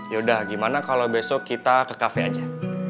yaudah gimana kalau besok kita ke cafe aja